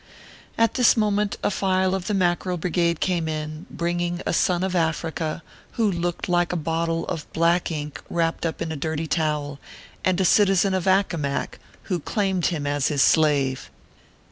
At this moment a file of the Mackerel Brigade came in, bringing a son of Africa, who looked like a bottle of black ink wrapt up in a dirty towel, and a citizen of Accomac, who claimed him as his slave.